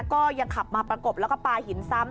ก็ยังขับมาประกบแล้วก็ปลาหินซ้ำ